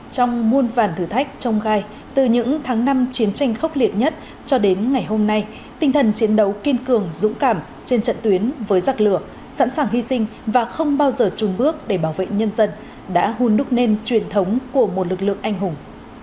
trong muôn vàn thử thách trong gai từ những tháng năm chiến tranh khốc liệt nhất cho đến ngày hôm nay tinh thần chiến đấu kiên cường dũng cảm trên trận tuyến với giặc lửa sẵn sàng hy sinh và không bao giờ trùn bước để bảo vệ nhân dân đã hôn đúc nên truyền thống của một lực lượng anh hùng